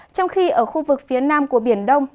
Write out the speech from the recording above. trong khi ở khu vực phía nam của biển đông